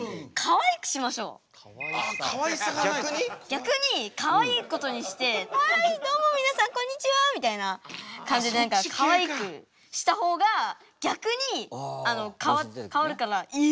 逆にかわいいことにして「はいどうも皆さんこんにちは！」みたいな感じで何かかわいくした方が逆に変わるから「えっ！」ってなったり。